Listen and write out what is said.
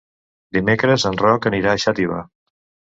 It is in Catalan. Dimecres en Roc anirà a Xàtiva.